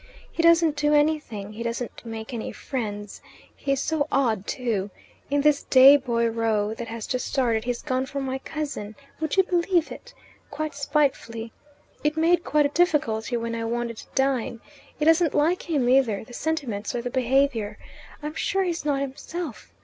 He doesn't do anything. He doesn't make any friends. He is so odd, too. In this day boy row that has just started he's gone for my cousin. Would you believe it? Quite spitefully. It made quite a difficulty when I wanted to dine. It isn't like him either the sentiments or the behaviour. I'm sure he's not himself.